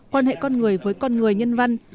quan hệ con người với con người nhân văn